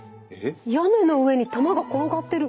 屋根の上に玉が転がってる！